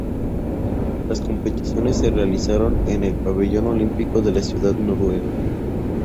Las competiciones se realizaron en el Pabellón Olímpico de la ciudad noruega.